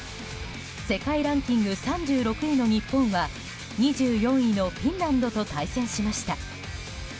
世界ランキング３６位の日本は２４位のフィンランドと対戦しました。